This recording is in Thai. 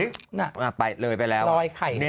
น่ะไปเลยไปแล้วรอยไข่